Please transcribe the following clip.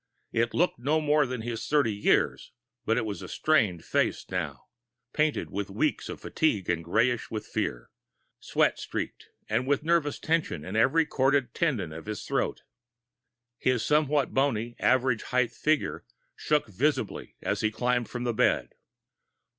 It looked no more than his thirty years; but it was a strained face, now painted with weeks of fatigue, and grayish with fear, sweat streaked and with nervous tension in every corded tendon of his throat. His somewhat bony, average height figure shook visibly as he climbed from the bed.